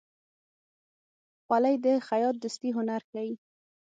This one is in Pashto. خولۍ د خیاط دستي هنر ښيي.